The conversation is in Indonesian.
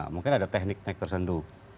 mungkin ada teknik teknik tersenduh